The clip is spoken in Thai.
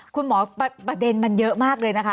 ประเด็นมันเยอะมากเลยนะคะ